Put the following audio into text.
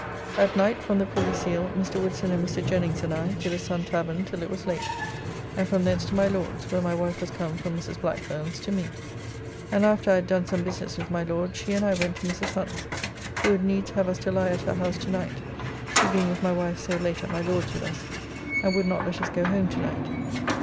At night from the Privy Seal, Mr. Woodson and Mr. Jennings and I to the Sun Tavern till it was late, and from thence to my Lord's, where my wife was come from Mrs. Blackburne's to me, and after I had done some business with my Lord, she and I went to Mrs. Hunt's, who would needs have us to lie at her house to night, she being with my wife so late at my Lord's with us, and would not let us go home to night.